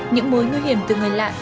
những mối nguy hiểm từ người lạ